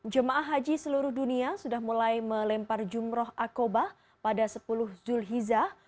jemaah haji seluruh dunia sudah mulai melempar jumroh akobah pada sepuluh zulhizah